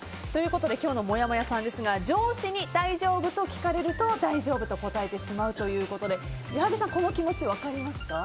今日のもやもやさんですが上司に大丈夫と聞かれると大丈夫と答えてしまうということで矢作さん、この気持ち分かりますか？